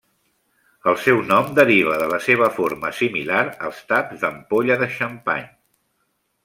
El seu nom deriva de la seva forma similar als taps d'ampolla de xampany.